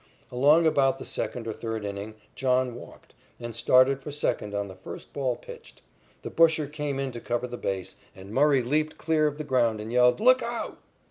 Along about the second or third inning John walked, and started for second on the first ball pitched. The busher came in to cover the base, and Murray leaped clear of the ground and yelled: "Look out!"